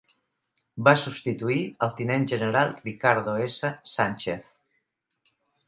Va substituir el tinent general Ricardo S. Sánchez.